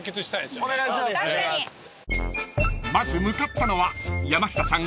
［まず向かったのは山下さん